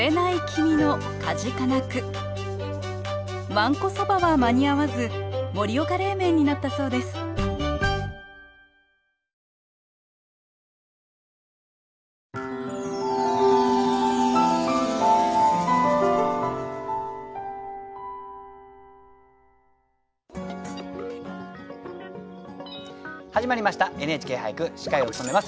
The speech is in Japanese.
わんこそばは間に合わず盛岡冷麺になったそうです始まりました「ＮＨＫ俳句」司会を務めます